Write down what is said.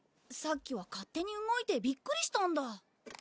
さっきは勝手に動いてビックリしたんだ。